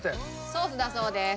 ソースだそうです。